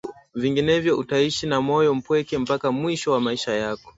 Vinginevyo utaishi na moyo mpweke mpaka mwisho wa maisha yako